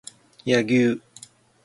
柳生